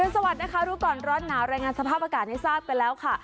สวัสดีนะคะรู้ก่อนร้อนหนาวรายงานสภาพอากาศให้ทราบกันแล้วค่ะ